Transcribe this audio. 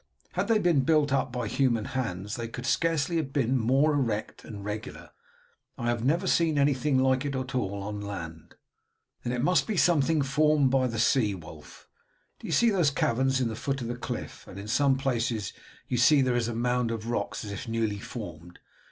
"Had they been built up by human hands they could scarcely have been more erect and regular. I have never seen anything at all like it on land." "Then it must be something formed by the sea, Wulf. Do you see those caverns at the foot of the cliff, and in some places you see there is a mound of rocks as if newly formed?